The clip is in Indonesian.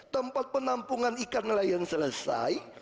tempat penampungan ikan nelayan selesai